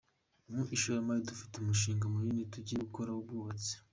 Mu ishoramari dufite umushinga munini tugiye gukora w’ubwubatsi.